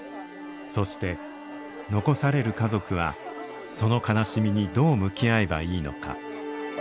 そして残される家族はその悲しみにどう向き合えばいいのか。